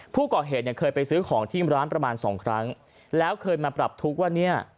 ผู้ก่อเหตุเนี่ยเคยไปซื้อของที่ร้านประมาณสองครั้งแล้วเคยมาปรับทุกข์ว่าเนี่ย